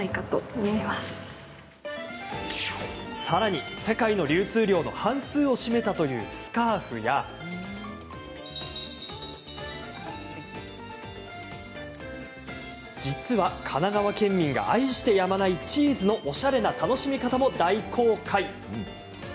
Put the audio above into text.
さらに世界の流通量の半数を占めたというスカーフや実は神奈川県民が愛してやまないチーズのおしゃれな楽しみ方も大公開。